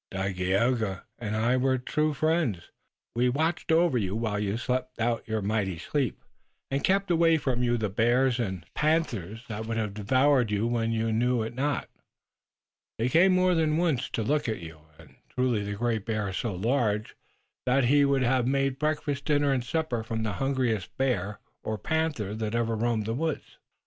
Dagaeoga and I were your true friends. We watched over you while you slept out your mighty sleep and kept away from you the bears and panthers that would have devoured you when you knew it not. They came more than once to look at you, and truly the Great Bear is so large that he would have made breakfast, dinner and supper for the hungriest bear or panther that ever roamed the woods."